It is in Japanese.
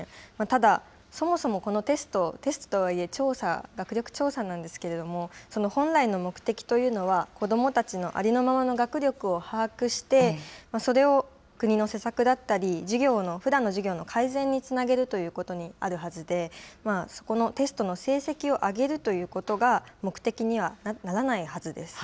ただ、そもそもこのテスト、テストとはいえ、学力調査なんですけれども、本来の目的というのは、子どもたちのありのままの学力を把握して、それを国の施策だったり、ふだんの授業の改善につなげるということにあるはずで、そこのテストの成績を上げるということが目的にはならないはずです。